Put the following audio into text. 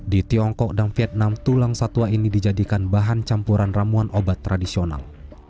di tiongkok dan vietnam tulang satwa ini dijadikan bahan campuran ramuan obat tradisional